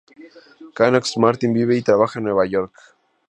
Knox Martin vive y trabaja en Nueva York.